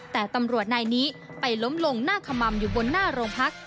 แต่ตำรวจนายนี้ไปล้มลงหน้าขม่ำอยู่บนหน้าโรงพัก